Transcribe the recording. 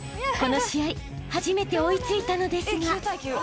［この試合初めて追い付いたのですが］